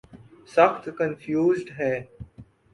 سخت کنفیوزڈ ہیں۔